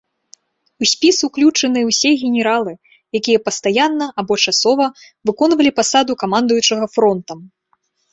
У спіс уключаныя ўсе генералы, якія пастаянна або часова выконвалі пасаду камандуючага фронтам.